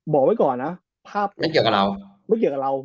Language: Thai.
บอกไว้ก่อนนะไม่เกี่ยวกับเราเลย